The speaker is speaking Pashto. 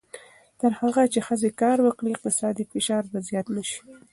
تر هغه چې ښځې کار وکړي، اقتصادي فشار به زیات نه شي.